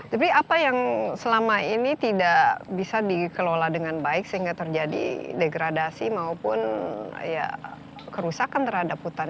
tapi apa yang selama ini tidak bisa dikelola dengan baik sehingga terjadi degradasi maupun ya kerusakan terhadap hutan